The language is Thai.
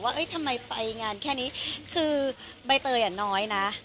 ทำไมไปงานแค่นี้คือใบเตยอ่ะน้อยนะ